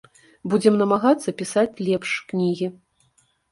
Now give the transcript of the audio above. Будзем намагацца пісаць лепш кнігі.